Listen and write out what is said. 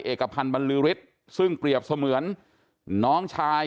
เอกพันธ์บรรลือฤทธิ์ซึ่งเปรียบเสมือนน้องชาย